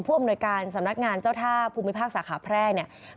อำนวยการสำนักงานเจ้าท่าภูมิภาคสาขาแพร่เนี่ย